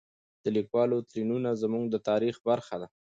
د لیکوالو تلینونه زموږ د تاریخ برخه ده.